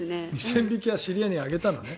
２０００匹は知り合いにあげたのね。